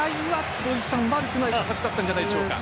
たくさんあったんじゃないでしょうか。